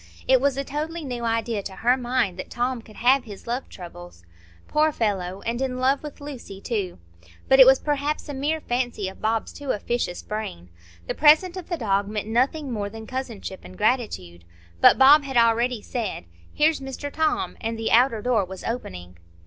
It was a totally new idea to her mind that Tom could have his love troubles. Poor fellow!—and in love with Lucy too! But it was perhaps a mere fancy of Bob's too officious brain. The present of the dog meant nothing more than cousinship and gratitude. But Bob had already said, "Here's Mr Tom," and the outer door was opening.